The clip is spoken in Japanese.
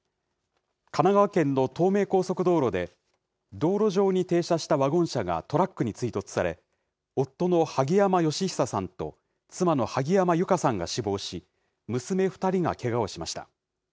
神奈川県の東名高速道路で、道路上に停車したワゴン車がトラックに追突され、夫の萩山嘉久さんと、妻の萩山友香さんが死亡し、娘２人がけがをしました。